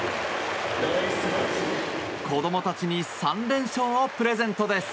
子供たちに３連勝をプレゼントです。